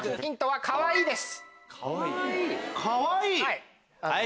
かわいい？